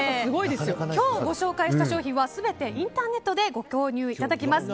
今日ご紹介した商品は全てインターネットでご購入いただけます。